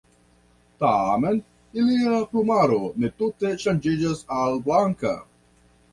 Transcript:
Tamen ilia plumaro ne tute ŝanĝiĝas al blanka.